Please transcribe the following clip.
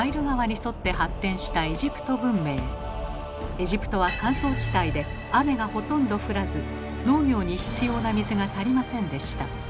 エジプトは乾燥地帯で雨がほとんど降らず農業に必要な水が足りませんでした。